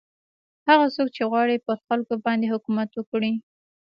هغه څوک چې غواړي پر خلکو باندې حکومت وکړي.